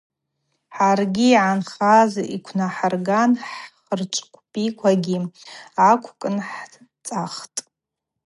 Хӏаргьи йгӏанхаз ыквнахӏырган хӏхырчӏвкӏвпӏиквагьи аквкӏынхӏцӏахтӏ.